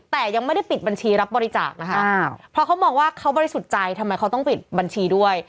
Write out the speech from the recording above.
แต่ยังไม่ได้ปิดบัญชีรับบริจาคนะคะเพราะเขามองว่าเขาบริสุทธิ์ใจทำไมเขาต้องปิดบัญชีด้วย